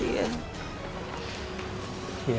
kor jangan mikir